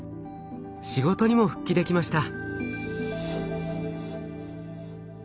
仕事にも復帰できました。